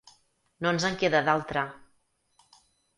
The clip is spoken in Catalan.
No ens en queda d’altre.